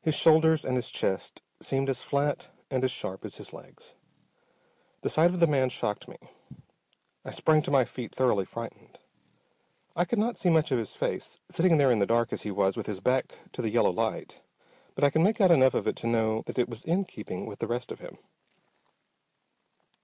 His shoulders and his chest seemed as flat and as sharp as his legs. The sight of the man shocked me. I sprang to my feet thoroughly frightened. I could not see much of his face, sitting there in the dark as he was with his back to the yellow light, but I could make out enough of it to know that it was in keeping with the rest of him.